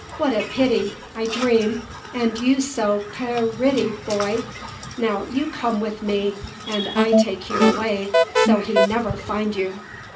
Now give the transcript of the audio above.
'What a pity!' I dream, 'and you so pe ritty boy!' Now you come with me, and I take you away so he never find you."